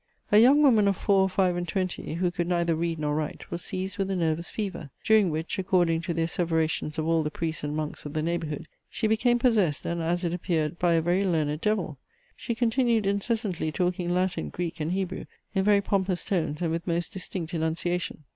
A young woman of four or five and twenty, who could neither read, nor write, was seized with a nervous fever; during which, according to the asseverations of all the priests and monks of the neighbourhood, she became possessed, and, as it appeared, by a very learned devil. She continued incessantly talking Latin, Greek, and Hebrew, in very pompous tones and with most distinct enunciation.